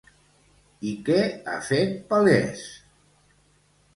I què ha fet palès?